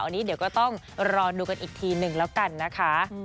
อันนี้เดี๋ยวก็ต้องรอดูกันอีกทีหนึ่งแล้วกันนะคะ